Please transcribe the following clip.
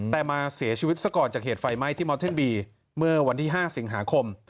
แต่มาเสียชีวิตซะก่อนจากเหตุไฟไหม้ที่มอลเทนบีเมื่อวันที่๕สิงหาคม